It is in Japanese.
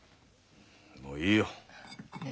もういいよ。ね